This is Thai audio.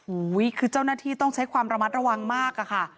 โอ้โหคือเจ้าหน้าที่ต้องใช้ความระมัดระวังมากอะค่ะ